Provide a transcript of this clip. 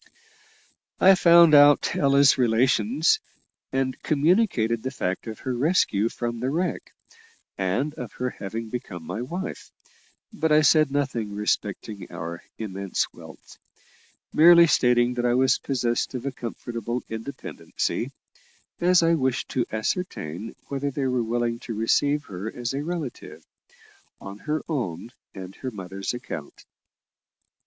I found out Ella's relations, and communicated the fact of her rescue from the wreck, and of her having become my wife; but I said nothing respecting our immense wealth, merely stating that I was possessed of a comfortable independency, as I wished to ascertain whether they were willing to receive her as a relative, on her own and her mother's account.